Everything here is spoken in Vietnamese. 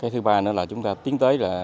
thứ ba nữa là chúng ta tiến tới